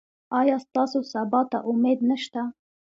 ایا ستاسو سبا ته امید نشته؟